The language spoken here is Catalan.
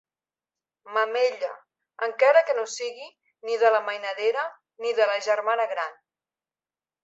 Mamella, encara que no sigui ni de la mainadera ni de la germana gran.